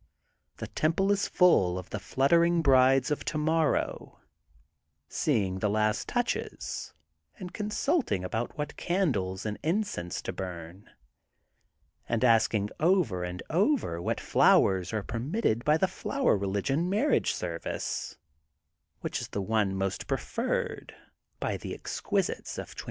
The temple is full of the fluttering brides of tomorrow, seeing the last touches and consult THE GOLDEN BOOK OF SPRINGFIELD 215 ing about what candles and incense to bum, and asking over and over what flowers are permitted by the Flower Religion Marriage Service, which is the one most preferred by the exquisites of 2018.